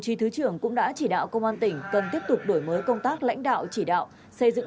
chí thứ trưởng cũng đã chỉ đạo công an tỉnh cần tiếp tục đổi mới công tác lãnh đạo chỉ đạo xây dựng